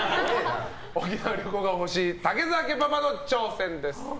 沖縄旅行が欲しい武澤家パパの挑戦です。